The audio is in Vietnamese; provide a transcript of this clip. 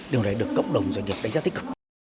điều này được cộng đồng doanh nghiệp đánh giá tích cực